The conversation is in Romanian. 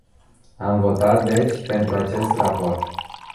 Am votat deci pentru acest raport.